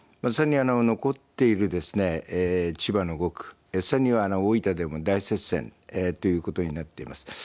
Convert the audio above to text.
残っている千葉の５区、さらに大分でも大接戦ということになっています。